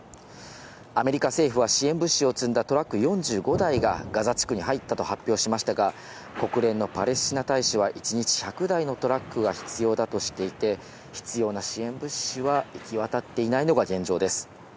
アメリカ政府は支援物資を積んだトラック４５台がガザ地区に入ったと発表しましたが、国連のパレスチナ大使は、１日１００台のトラックが必要だとしていて、必要な支援物資は行き渡っていないのが現状です。